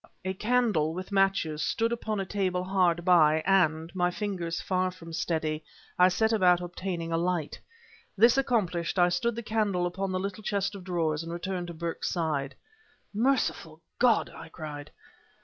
A candle, with matches, stood upon a table hard by, and, my fingers far from steady, I set about obtaining a light. This accomplished, I stood the candle upon the little chest of drawers and returned to Burke's side. "Merciful God!" I cried.